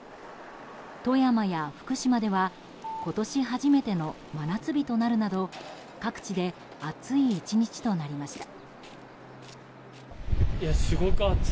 富山や福島では今年初めての真夏日となるなど各地で暑い１日となりました。